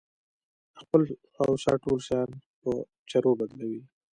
د خپل خواوشا ټول شيان په چرو بدلوي.